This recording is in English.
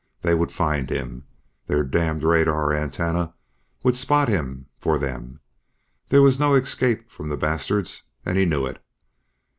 They would find him. Their damned radar antennae would spot him for them. There was no escape from the bastards, and he knew it.